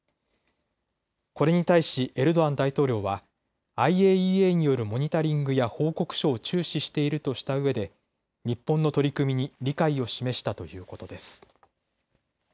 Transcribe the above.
これに対し、エルドアン大統領はＩＡＥＡによるモニタリングや報告書を注視しているとしたうえで日本の取り組みに理解を示したということです。